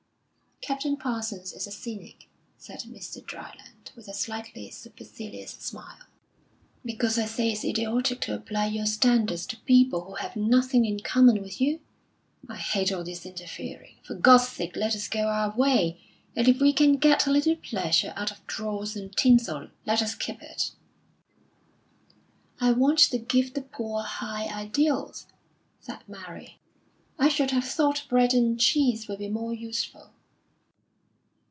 "Captain Parsons is a cynic," said Mr. Dryland, with a slightly supercilious smile. "Because I say it's idiotic to apply your standards to people who have nothing in common with you? I hate all this interfering. For God's sake let us go our way; and if we can get a little pleasure out of dross and tinsel, let us keep it." "I want to give the poor high ideals," said Mary. "I should have thought bread and cheese would be more useful."